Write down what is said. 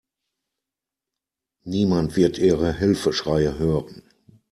Niemand wird Ihre Hilfeschreie hören.